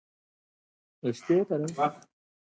پابندي غرونه د افغان ماشومانو د لوبو یوه موضوع ده.